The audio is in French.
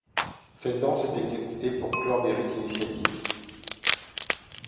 Cette danse est exécutée pour clore les rites initiatiques.